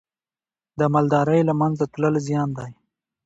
د مالدارۍ له منځه تلل زیان دی.